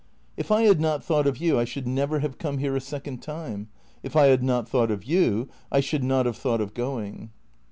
" If I had not thought of you I should never have come here a second time. If I had not thought of you I should not have thought of going."